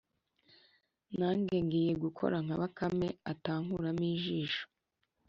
Nanjye ngiye gukora nka Bakame atankuramo ijisho.